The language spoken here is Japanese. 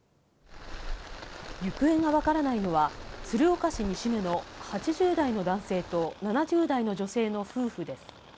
行方が分からないのは、鶴岡市西目の８０代の男性と７０代の女性の夫婦です。